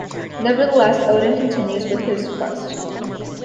Nevertheless Odin continues with his quest.